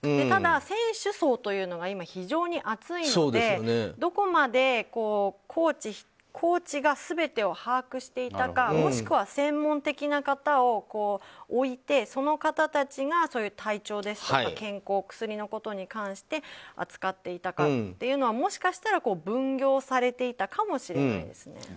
ただ、選手層というのが今、非常に厚いのでどこまでコーチが全てを把握していたかもしくは、専門的な方を置いてその方たちが体調ですとか健康薬のことに関して扱っていたかというのはもしかしたら分業されていたかもしれないですね。